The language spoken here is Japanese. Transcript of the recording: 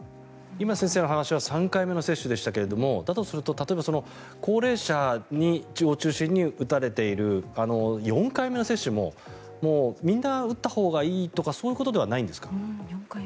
今、先生の話は３回目の接種でしたがだとすると高齢者を中心に打たれている４回目の接種ももうみんな打ったほうがいいとかそういうことではないんですか？